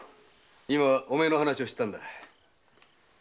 今お前の話をしてたんだ。